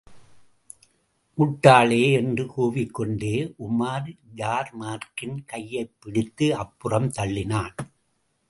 முட்டாளே! என்று கூவிக்கொண்டே உமார் யார்மார்க்கின் கையைப்பிடித்து அப்புறம் தள்ளினான்.